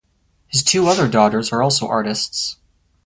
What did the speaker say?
His two other daughters are also artists.